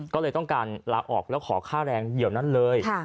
ก็เลยต้องการลาออกแล้วขอค่าแรงเดี๋ยวนั้นเลย